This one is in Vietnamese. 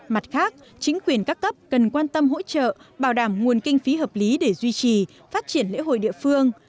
mặt khác chính quyền các cấp cần quan tâm hỗ trợ bảo đảm nguồn kinh phí hợp lý để duy trì phát triển lễ hội địa phương